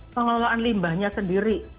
pengelolaan limbahnya sendiri